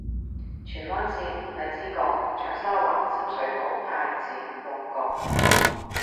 荃灣綫：荔枝角，長沙灣，深水埗，太子，旺角